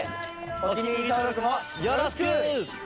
お気に入り登録もよろしく！